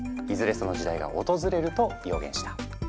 その時代が訪れると予言した。